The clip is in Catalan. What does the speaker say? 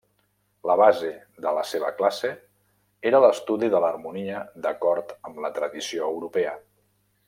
La base de la seva classe era l'estudi de l'harmonia d'acord amb la tradició europea.